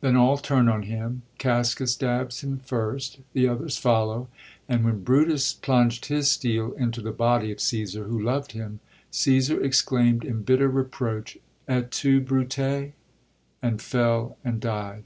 Then all turn on him : Casca stabs him first; the others follow; and when Brutus plunged his steel into the body of Caesar, who lovd him, Caesar exclaimd in bitter reproach, * Et tu. Brute V and fell, and died.